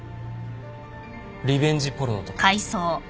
リベンジポルノとか。